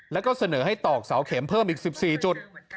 แล้วก็เสนอให้ตอกเสาเข็มเพิ่มอีก๑๔จุด